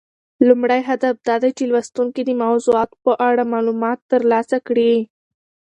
لومړی هدف دا دی چې لوستونکي د موضوعاتو په اړه معلومات ترلاسه کړي.